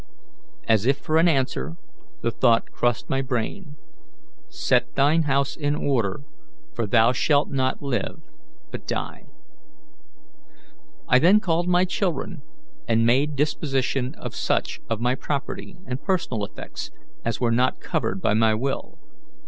As if for an answer, the thought crossed my brain, 'Set thine house in order, for thou shalt not live, but die.' I then called my children and made disposition of such of my property and personal effects as were not covered by my will.